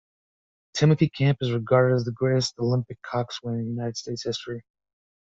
Timothy Camp is regarded as the greatest olympic coxswain in the United States history.